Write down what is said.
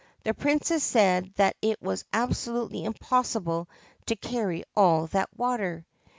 The Princess said that it was absolutely impossible to carry all that water.